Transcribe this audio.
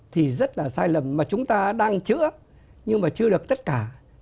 thì rất là sai lầm mà chúng ta đang chữa nhưng mà chưa được tất cả